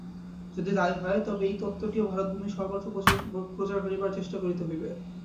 যদি তাই হয়, তবে এই তত্ত্বটিও ভারতভূমির সর্বত্র প্রচার করিবার চেষ্টা করিতে হইবে।